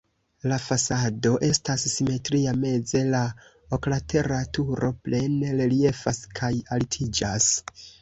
La fasado estas simetria, meze la oklatera turo plene reliefas kaj altiĝas.